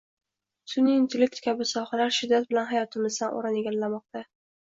sun’iy intellekt kabi sohalar shiddat bilan hayotimizdan o‘rin egallamoqda